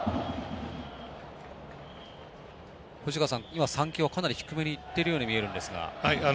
今、３球はかなり低めにいってるように見えるんですが。